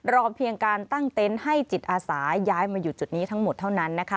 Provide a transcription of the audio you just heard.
รอเพียงการตั้งเต็นต์ให้จิตอาสาย้ายมาอยู่จุดนี้ทั้งหมดเท่านั้นนะคะ